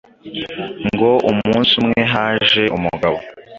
Ngo umunsi umwe haje umugabo